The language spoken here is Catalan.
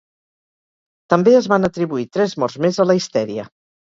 També es van atribuir tres morts més a la histèria.